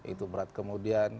itu berat kemudian